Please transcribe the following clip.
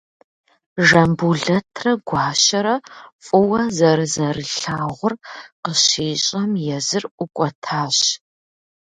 Жамбулэтрэ Гуащэрэ фӏыуэ зэрызэрылъагъур къыщищӏэм, езыр ӏукӏуэтащ.